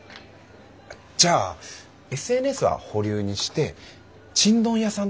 じゃあＳＮＳは保留にしてちんどん屋さんとかどうですか？